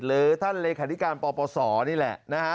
หรือท่านเลขาธิการปปศนี่แหละนะฮะ